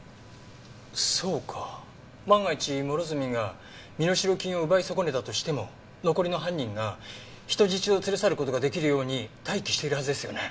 そうか万が一諸角が身代金を奪い損ねたとしても残りの犯人が人質を連れ去る事が出来るように待機しているはずですよね。